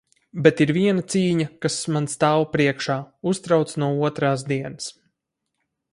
Bet ir viena cīņa, kas man stāv priekšā, uztrauc no otrās dienas.